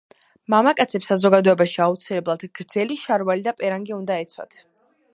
მამაკაცებს საზოგადოებაში აუცილებლად გრძელი შარვალი და პერანგი უნდა ეცვათ.